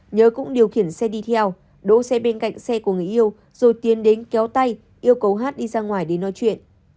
nhớ cũng điều khiển xe đi theo đỗ xe bên cạnh xe của người yêu rồi tiến đến kéo tay yêu cầu hát đi ra ngoài để nói chuyện